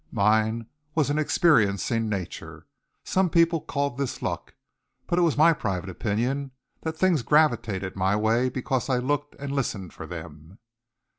Mine was an experiencing nature. Some people called this luck. But it was my private opinion that things gravitated my way because I looked and listened for them.